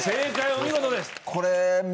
お見事です。